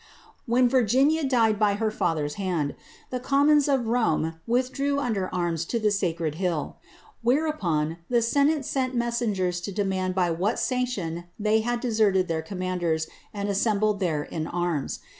_ When Virginia died by her father's hand, the commons of Rome withdrew under arms to the Sacred Hill. Whereupon the senate sent messengers to demand by what sanction they had deserted their commanders and assembled there in arms.